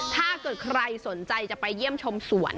ถ้าเกิดใครสนใจจะไปเยี่ยมชมสวน